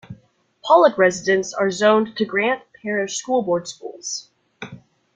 Pollock residents are zoned to Grant Parish School Board schools.